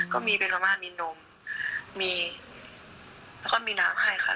ก็มีเป็นมาม่ามีนมแล้วก็มีน้ำได้ค่ะ